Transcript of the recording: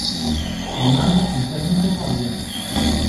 En Inde, il termine quatorzième.